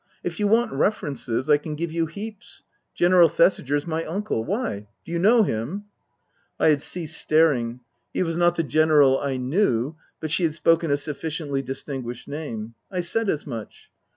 Book I : My Book 15 " If you want references, I can give you heaps. General Thesiger's my uncle. Why ? Do you know him ?" I had ceased staring. He was not the General I knew, but she had spoken a sufficiently distinguished name. I said as much.